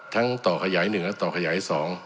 ทั้งต่อขยายหนึ่งและต่อขยายสอง